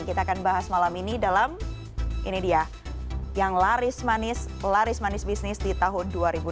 kita akan bahas malam ini dalam ini dia yang laris manis laris manis bisnis di tahun dua ribu delapan belas